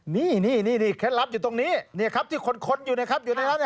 นี่เคล็ดลับอยู่ตรงนี้นี่ครับที่ขนอยู่นะครับ